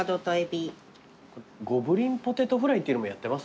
ゴブリン・ポテトフライっていうのもやってます？